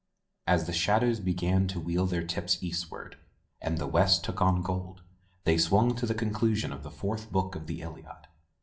As the shadows began to wheel their tips eastward, and the west took on gold, they swung to the conclusion of the fourth book of the ''Iliad.